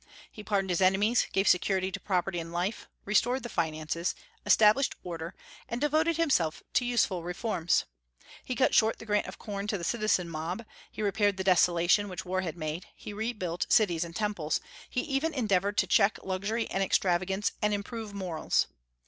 He pardoned his enemies, gave security to property and life, restored the finances, established order, and devoted himself to useful reforms. He cut short the grant of corn to the citizen mob; he repaired the desolation which war had made; he rebuilt cities and temples; he even endeavored to check luxury and extravagance and improve morals.